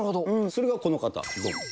それがこの方、どん。